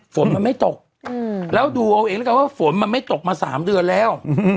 ฝนมันไม่ตกแล้วดูเอาเองแล้วกันว่าฝนมันไม่ตกมา๓เดือนแล้ว